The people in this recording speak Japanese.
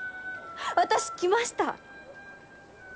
私、来ました。